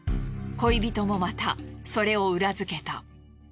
恋人もまたそれを裏付けた。